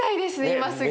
今すぐ。